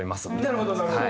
なるほどなるほど。